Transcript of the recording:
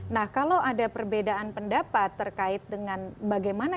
nah kalau ada perbedaan pendapat terkait dengan bagaimana